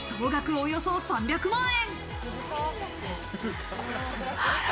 およそ３００万円。